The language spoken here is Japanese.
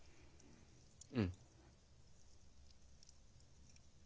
うん。